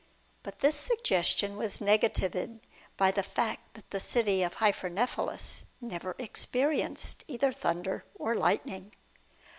But this suggestion was negatived by the fact that the city of Hypernephelus never experienced either thunder or lightning.